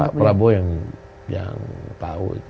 pak prabowo yang tahu itu